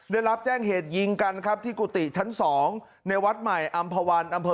ได้รับแจ้งเหตุยิงกันครับที่กุฏิชั้น๒ในวัดใหม่อำภาวันอำเภอ